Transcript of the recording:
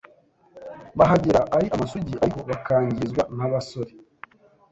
bahagera ari amasugi ariko bakangizwa n’abasore